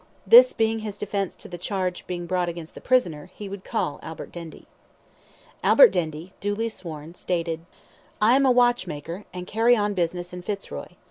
This being his defence to the charge brought against the prisoner, he would call Albert Dendy. Albert Dendy, duly sworn, stated I am a watchmaker, and carry on business in Fitzroy.